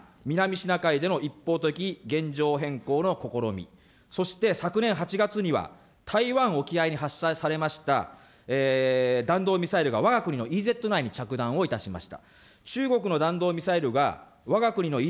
東シナ、南シナ海での一方的現状変更の試み、そして昨年８月には、台湾沖合に発射されました弾道ミサイルがわが国のＥＥＺ内に着弾をいたしました。